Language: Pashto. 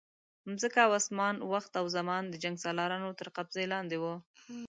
مځکه او اسمان، وخت او زمان د جنګسالارانو تر قبضې لاندې وو.